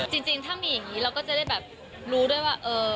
จริงถ้ามีอย่างนี้เราก็จะได้แบบรู้ด้วยว่า